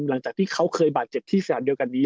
หลังจากที่เขาเคยบาดเจ็บที่สถานเดียวกันนี้